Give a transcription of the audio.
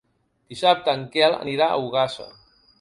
Dissabte en Quel anirà a Ogassa.